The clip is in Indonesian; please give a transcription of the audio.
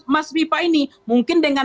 mas viva ini mungkin dengan